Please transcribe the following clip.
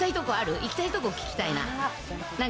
行きたいとこ聞きたいな。